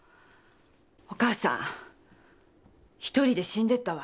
お母さん１人で死んでったわ。